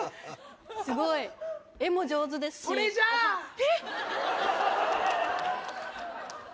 すごい絵も上手ですしそれじゃあえっ？